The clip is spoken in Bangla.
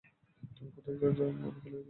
তুমি কোথায় আমাকে লইয়া যাইতে চাও, চলো-না।